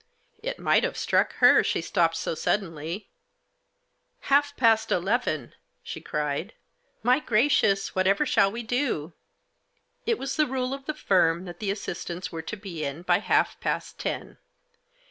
It might have struck her, she stopped so suddenly. * Half past eleven i M she cried. "My gracious! whatever shall we do ?" It was a rule of the firm that the assistants were to be in by half past ten.